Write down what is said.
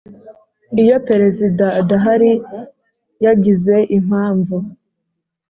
Iyo Perezida adahari yagize impamvu